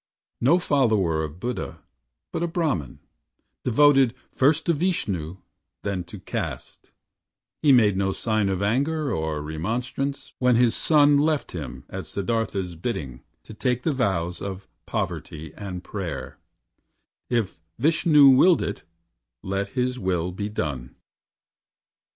No follower of Buddha, but a Brahman, Devoted first to Vishnu, then to caste, He made no sign of anger or remonstrance When his son left him at Siddartha's bidding To take the vows of poverty and prayer If Vishnu willed it, let his will be done!